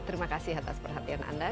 terima kasih atas perhatian anda